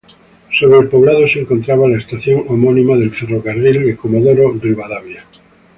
Sobre el poblado se encontraba la estación homónima del Ferrocarril de Comodoro Rivadavia.